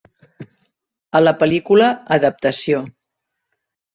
A la pel·lícula "Adaptació".